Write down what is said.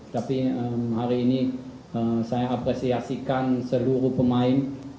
tapi hari ini saya apresiasikan seluruh pemain